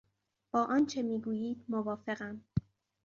با آنچه میگویید موافقم.